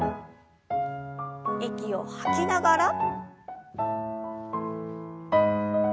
息を吐きながら。